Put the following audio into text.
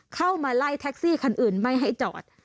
เข้ามาไล่แท็กซี่คันอื่นไม่ให้จอด